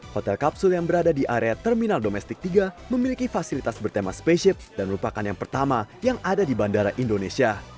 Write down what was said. hotel kapsul yang berada di area terminal domestik tiga memiliki fasilitas bertema spaceship dan merupakan yang pertama yang ada di bandara indonesia